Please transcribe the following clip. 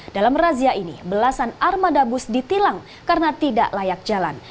dalam razia ini belasan armada bus ditilang karena tidak layak jalan